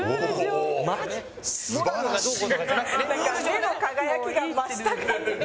目の輝きが増した感じが。